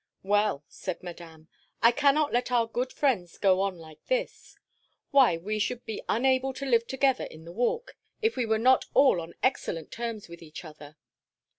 "Well," said Madame, "I cannot let our good friends go on like this. Why, we should be unable to live together in the Walk, if we were not all on excellent terms with each other."